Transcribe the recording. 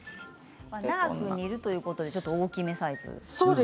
長く煮るということでちょっと大きめサイズ。